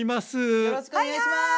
よろしくお願いします！